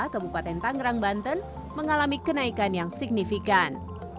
kabupaten tangerang banten mengalami kenaikan yang signifikan